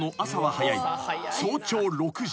早朝６時］